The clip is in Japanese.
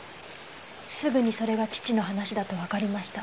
すぐにそれが父の話だとわかりました。